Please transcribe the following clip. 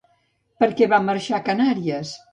Per què va marxar a Canàries?